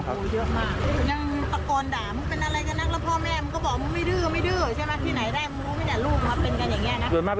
สุดยอดดีแล้วล่ะ